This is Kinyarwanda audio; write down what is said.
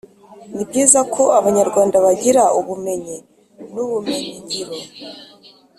ni byiza ko abanyarwanda bagira ubumenyi n’ubumenyingiro